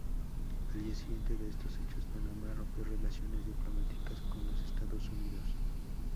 Al día siguiente de estos hechos, Panamá rompió relaciones diplomáticas con los Estados Unidos.